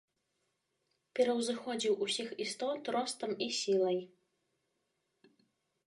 Пераўзыходзіў усіх істот ростам і сілай.